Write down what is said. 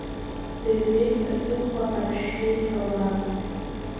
Дырҩегь аҵыхәа аршәшәеит ала.